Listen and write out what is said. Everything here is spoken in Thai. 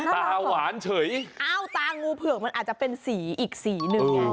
ตาหวานเฉยอ้าวตางูเผือกมันอาจจะเป็นสีอีกสีหนึ่งไง